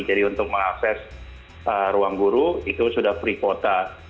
jadi untuk mengakses ruangguru itu sudah free kuota